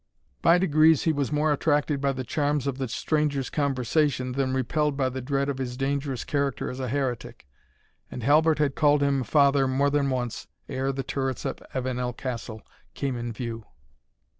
By degrees he was more attracted by the charms of the stranger's conversation than repelled by the dread of his dangerous character as a heretic, and Halbert had called him father more than once, ere the turrets of Avenel Castle came in view.